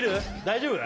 大丈夫？